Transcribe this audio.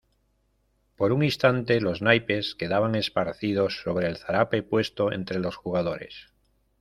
por un instante los naipes quedaban esparcidos sobre el zarape puesto entre los jugadores.